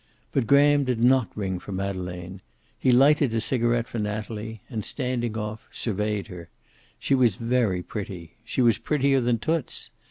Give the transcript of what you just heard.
But Graham did not ring for Madeleine. He lighted a cigaret for Natalie, and standing off, surveyed her. She was very pretty. She was prettier than Toots.